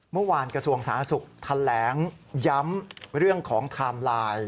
กระทรวงสาธารณสุขแถลงย้ำเรื่องของไทม์ไลน์